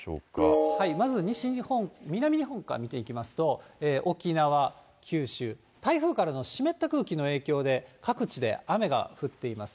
まず西日本、南日本から見ていきますと、沖縄、九州、台風からの湿った空気の影響で、各地で雨が降っています。